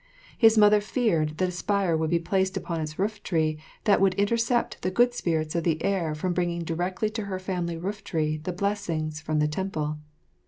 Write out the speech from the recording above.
His mother feared that a spire would be placed upon its rooftree that would intercept the good spirits of the air from bringing directly to her family rooftree the blessings from the temple.